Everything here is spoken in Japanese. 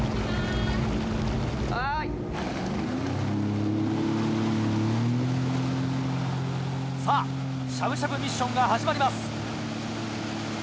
・はい・さぁしゃぶしゃぶミッションが始まります。